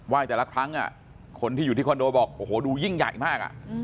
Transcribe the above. แต่ละครั้งคนที่อยู่ที่คอนโดบอกโอ้โหดูยิ่งใหญ่มาก